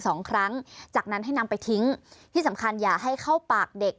สองครั้งจากนั้นให้นำไปทิ้งที่สำคัญอย่าให้เข้าปากเด็ก